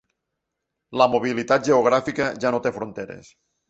La mobilitat geogràfica ja no té fronteres.